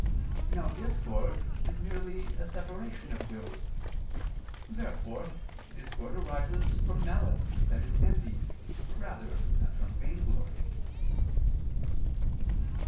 Now discord is merely a separation of wills. Therefore discord arises from malice, i.e. envy, rather than from vainglory.